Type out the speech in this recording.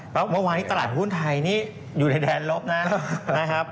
เพราะเมื่อวานนี้ตลาดหุ้นไทยนี่อยู่ในแดนลบนะครับ